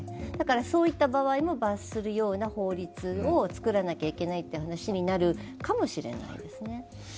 そういった場合も罰するような法律をつくらなきゃいけないという話になるかもしれないですね。